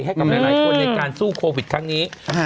ให้กับหลายคนในการสู้โควิดครั้งนี้